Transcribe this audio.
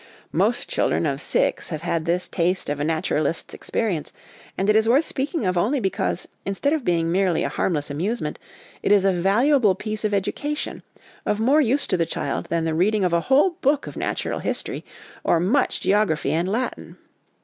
Most children of six have had this taste of a naturalist's experience, and it is worth speaking of only because, instead of being merely a harmless amusement, it is a valuable piece of education, of more use to the child than the reading of a whole book of natural history, or much geography OUT OF DOOR LIFE FOR THE CHILDREN 6 1 and Latin.